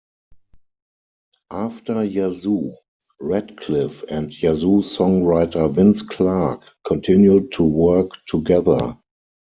After Yazoo, Radcliffe and Yazoo-songwriter Vince Clarke continued to work together.